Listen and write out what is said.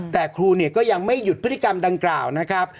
แต่ครูเนี่ยก็ยังไม่หยุดพฤติกรรมดังกล่าวนะครับ